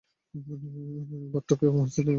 বাথটাবে মহসিনের মৃতদেহ পেলাম।